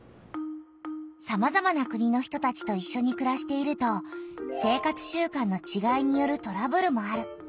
さまざまな国の人たちといっしょにくらしていると生活習慣のちがいによるトラブルもある。